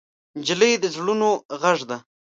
نجلۍ د زړونو غږ ده.